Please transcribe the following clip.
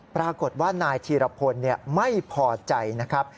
ปรากฏว่านายธีรพลไม่พอใจนะครับ